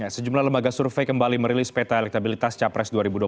sejumlah lembaga survei kembali merilis peta elektabilitas capres dua ribu dua puluh